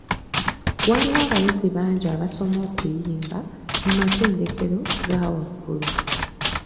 Waliwo abayizi bangi abasoma okuyimba mu matendekero ga waggulu.